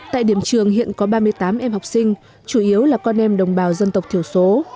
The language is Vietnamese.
tại điểm trường hiện có ba mươi tám em học sinh chủ yếu là con em đồng bào dân tộc thiểu số